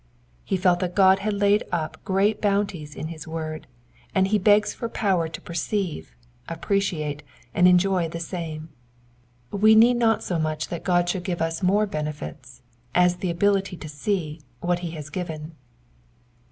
He felt that God had laid up great bounties in his word, and he begs for power to perceive, appreciate, and enjoy the same. We need not so much that God should give us more benefits, as the ability to see what he has given.